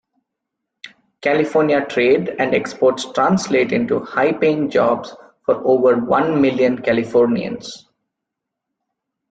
California trade and exports translate into high-paying jobs for over one million Californians.